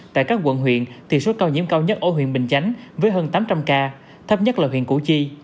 tại các quận huyện thì số ca nhiễm cao nhất ở huyện bình chánh với hơn tám trăm linh ca thấp nhất là huyện củ chi